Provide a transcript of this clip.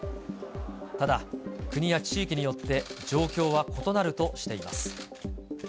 ただ、国や地域によって状況は異なるとしています。